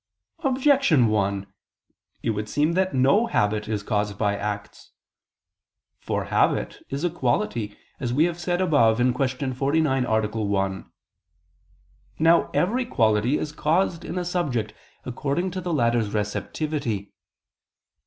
Objection 1: It would seem that no habit is caused by acts. For habit is a quality, as we have said above (Q. 49, A. 1). Now every quality is caused in a subject, according to the latter's receptivity.